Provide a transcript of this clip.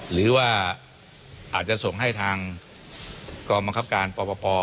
หรือว่าอาจจะส่งให้ทางกองบังคับการปป